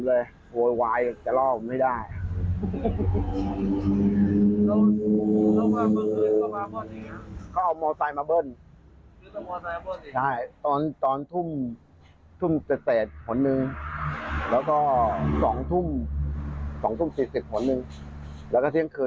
เมื่อเบิ้ลไหมว่าไงประกาศสัปดาห์นี่